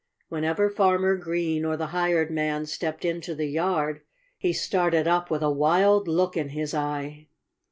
Whenever Farmer Green or the hired man stepped into the yard, he started up with a wild look in his eye.